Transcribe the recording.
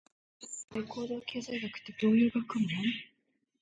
一体、行動経済学ってどういう学問？